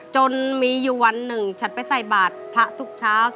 จนมีอยู่วันหนึ่งฉันไปใส่บาทพระทุกเช้า